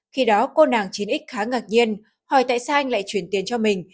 khi đó cô nàng chín x khá ngạc nhiên hỏi tại sao anh lại chuyển tiền cho mình